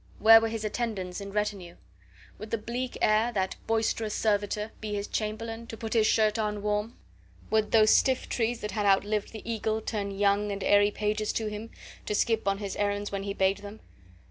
Where were his attendants and retinue? Would the bleak air, that boisterous servitor, be his chamberlain, to put his shirt on warm? Would those stiff trees that had outlived the eagle turn young and airy pages to him, to skip on his errands when he bade them?